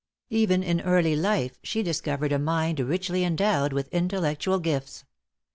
Even in early life she discovered a mind richly endowed with intellectual gifts.